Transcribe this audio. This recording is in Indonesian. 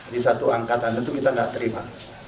di satu angkatan itu kita tidak terima